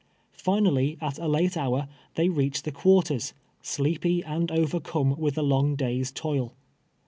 Finally, at a late hour, they reach the cpiarters, sleepy and over come with the long day's toil.